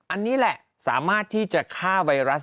อันนี้แหละสามารถที่จะฆ่าไวรัส